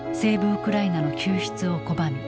・ウクライナの救出を拒み